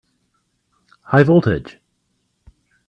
High voltage!